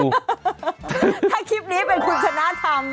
ถ้าคลิปนี้เป็นคุณชนะทำ